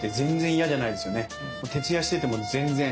徹夜してても全然。